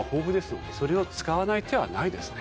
それを使わない手はないですね。